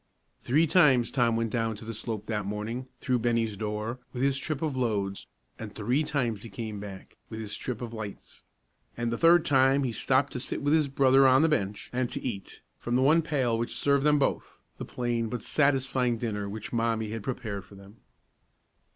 Three times Tom went down to the slope that morning, through Bennie's door, with his trip of loads, and three times he came back, with his trip of lights; and the third time he stopped to sit with his brother on the bench and to eat, from the one pail which served them both, the plain but satisfying dinner which Mommie had prepared for them.